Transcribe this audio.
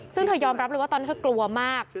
ซึ่งเธอยอมรับหรือว่าเธอกลัวมาก